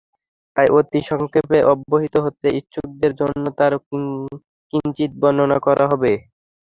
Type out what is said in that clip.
তাই অতি সংক্ষেপে অবহিত হতে ইচ্ছুকদের জন্যে তার কিঞ্চিত বর্ণনা করা হবে।